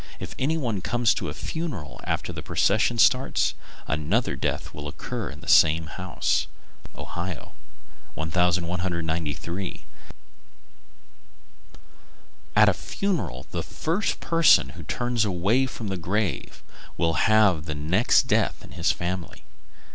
If anyone comes to a funeral after the procession starts, another death will occur in the same house. Ohio. 1193. At a funeral the first person who turns away from the grave will have the next death in his family.